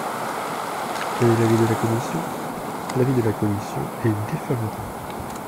Quel est l’avis de la commission ? L’avis de la commission est défavorable.